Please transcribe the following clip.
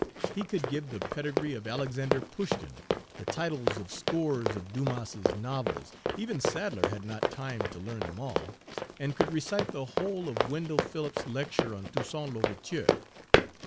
He could give the pedigree of Alexander Pushkin, the titles of scores of Dumas's novels (even Sadler had not time to learn them all), and could recite the whole of Wendell Page 109 Phillips's lecture on Toussaint l'Ouverture.